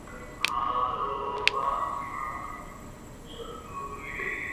খবর পেয়ে সিলেটের সহকারী পুলিশ সুপার গোপাল চক্রবর্তী ঘটনাস্থল পরিদর্শন করেছেন।